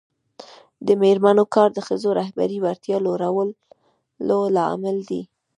د میرمنو کار د ښځو رهبري وړتیا لوړولو لامل دی.